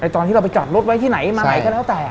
ตอนที่เราไปจอดรถไว้ที่ไหนมาไหนก็แล้วแต่